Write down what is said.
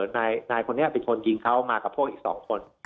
นายคนนี้ไปชนยิงเขามากับพวกอีก๒คน